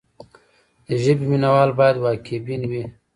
د ژبې مینه وال باید واقع بین وي.